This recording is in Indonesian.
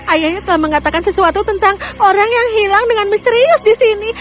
ayahnya telah mengatakan sesuatu tentang orang yang hilang dengan misterius di sini